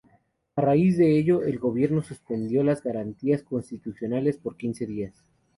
A raíz de ello, el gobierno suspendió las garantías constitucionales por quince días.